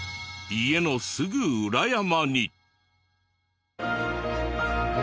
家のすぐ裏山に。